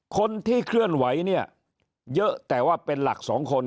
คนที่เคลื่อนไหวเนี่ยเยอะแต่ว่าเป็นหลักสองคน